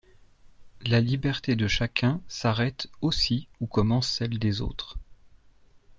La liberté de chacun s’arrête aussi où commence celle des autres.